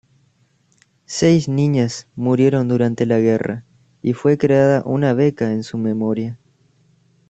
Seis niñas murieron durante la guerra y fue creada una beca en su memoria.